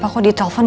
papa kok ditelepon